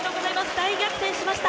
大逆転しました。